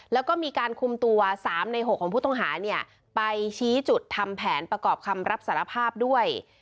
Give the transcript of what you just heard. แล้วก็มีการคุมตัว๓ใน๖ของผู้ต้องหาเนี่ยไปชี้จุดทำแผนประกอบคำรับสารภาพด้วย